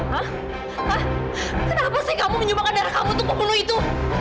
kenapa sih kamu menyumbangkan darah kamu ke pembunuh itu